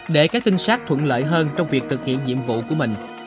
để các trinh sát thuận lợi hơn trong việc thực hiện nhiệm vụ của mình